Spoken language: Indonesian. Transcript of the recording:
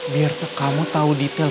biarkan kamu tahu detail